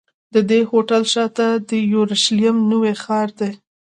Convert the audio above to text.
د دې هوټل شاته د یورشلېم نوی ښار دی.